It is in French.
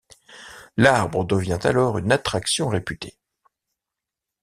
L'arbre devint alors une attraction réputée.